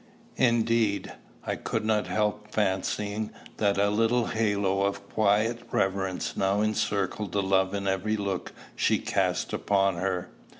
Indeed, I could not help fancying that a little halo of quiet reverence now encircled the love in every look she cast upon her.